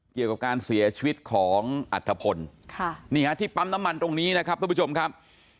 เกี่ยวกับการเสียชีวิตของอัฐพลที่ปั๊มน้ำมันตรงนี้นะครับทุกผู้ชมครับ